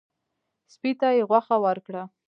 سپي ته یې غوښه ورکړه.